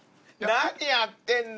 何やってんの！